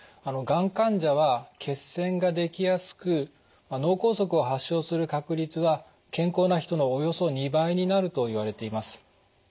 がん患者は血栓ができやすく脳梗塞を発症する確率は健康な人のおよそ２倍になるといわれています。